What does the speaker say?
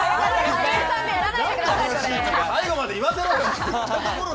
最後まで言わせろよ！